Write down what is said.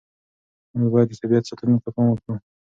موږ باید د طبیعت ساتنې ته پام وکړو.